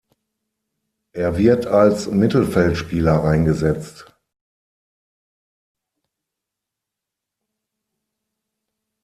Er wird als Mittelfeldspieler eingesetzt.